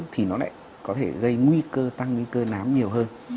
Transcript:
thì nó lại có thể gây nguy cơ tăng nguy cơ nám nhiều hơn